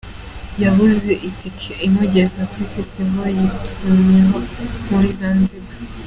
yabuze itike imugeza muri Fesitivali yatumiwemo muri Zanzibar